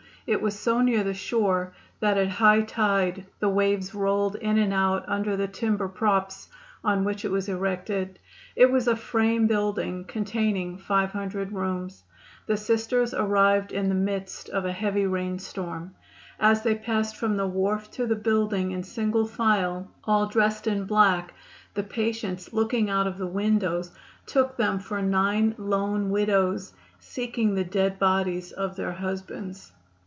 It was so near the shore that at high tide the waves rolled in and out under the timber props on which it was erected. It was a frame building, containing 500 rooms. The Sisters arrived in the midst of a heavy rain storm. As they passed from the wharf to the building, in single file, all dressed in black, the patients, looking out of the windows, took them for nine lone widows, seeking the dead bodies of their husbands!